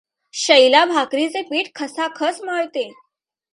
शैला भाकरीचे पीठ खसाखसा मळते.